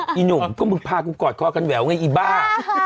อีหนุ่มก็มึงพากูกอดคอกันแหววไงอีบ้า